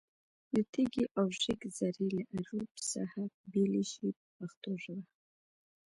د تېږې او ریګ ذرې له اړوب څخه بېلې شي په پښتو ژبه.